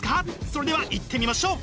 それではいってみましょう！